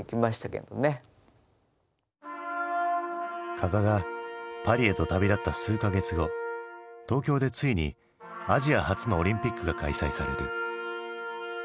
加賀がパリへと旅立った数か月後東京でついにアジア初のオリンピックが開催される。